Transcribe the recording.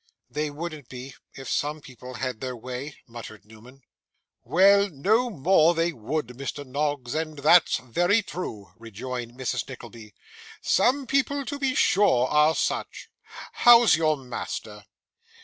'They wouldn't be, if some people had their way,' muttered Newman. 'Well, no more they would, Mr. Noggs, and that's very true,' rejoined Mrs Nickleby. 'Some people to be sure are such how's your master?